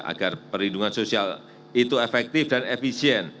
agar perlindungan sosial itu efektif dan efisien